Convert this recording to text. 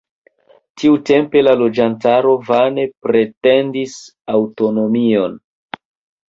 Tiutempe la loĝantaro vane pretendis aŭtonomion.